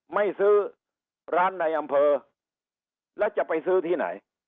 ไม่ซื้อร้านในอำเภอแล้วจะไปซื้อที่ไหน